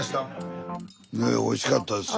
おいしかったです。